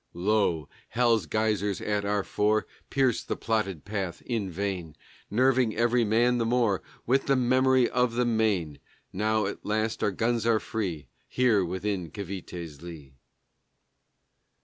Lo, hell's geysers at our fore Pierce the plotted path in vain, Nerving every man the more With the memory of the Maine! Now at last our guns are free Here within Cavité's lee.